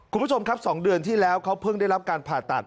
คุณผู้ชมครับ๒เดือนที่แล้วเขาเพิ่งได้รับการผ่าตัด